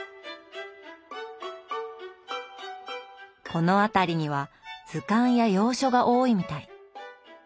この辺りには図鑑や洋書が多いみたい。